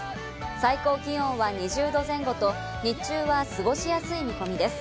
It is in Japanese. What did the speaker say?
最高気温は２０度前後と日中は過ごしやすい見込みです。